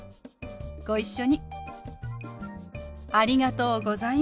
ご一緒に。